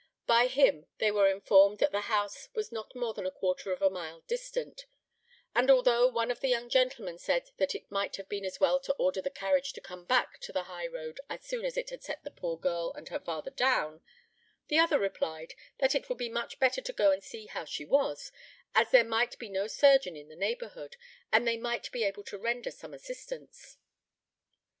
By him they were informed that the house was not more than a quarter of a mile distant; and although one of the young gentlemen said that it might have been as well to order the carriage to come back to the high road as soon as it had set the poor girl and her father down, the other replied that it would be much better to go and see how she was, as there might be no surgeon in the neighbourhood, and they might be able to render some assistance.